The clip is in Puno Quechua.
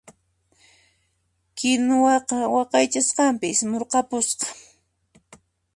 Kinuwaqa waqaychasqanpi ismurqapusqa.